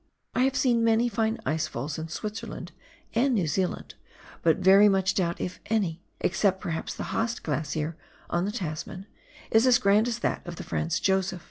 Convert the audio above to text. I have seen many fine ice falls in Switzerland and New Zealand, but very much doubt if any, except perhaps the Haast Glacier on the Tasman, is as grand as that of the Franz Josef.